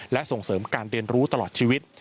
และส่งเสริมการเรียนรู้ตลอดชีวิต